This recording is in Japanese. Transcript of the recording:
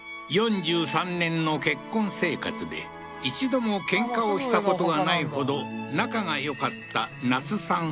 ４３年の結婚生活で一度もケンカをしたことがないほど仲がよかった那須さん